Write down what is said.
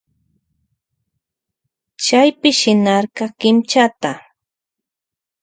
Chaypi shinarka kinchata.